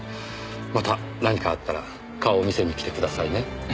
また何かあったら顔を見せに来てくださいね。